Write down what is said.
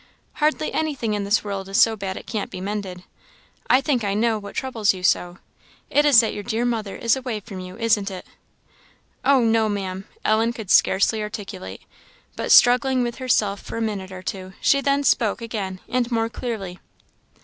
Hardly anything in this world is so bad it can't be mended. I think I know what troubles you so it is that your dear mother is away from you, isn't it?" "Oh, no, Maam!" Ellen could scarcely articulate. But, struggling with herself for a minute or two, she then spoke again, and more clearly.